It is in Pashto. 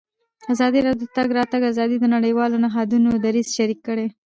ازادي راډیو د د تګ راتګ ازادي د نړیوالو نهادونو دریځ شریک کړی.